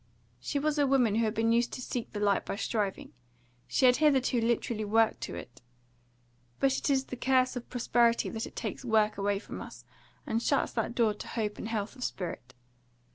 She was a woman who had been used to seek the light by striving; she had hitherto literally worked to it. But it is the curse of prosperity that it takes work away from us, and shuts that door to hope and health of spirit.